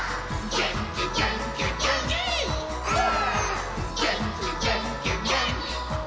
「げんきげんきげんきんー！」